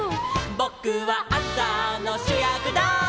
「ぼくはあさのしゅやくだい」